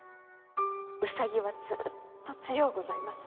兎はずっと強うございます。